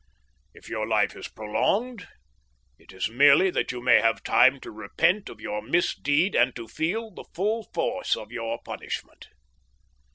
If your life is prolonged, it is merely that you may have time to repent of your misdeed and to feel the full force of your punishment.